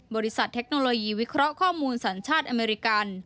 เทคโนโลยีวิเคราะห์ข้อมูลสัญชาติอเมริกัน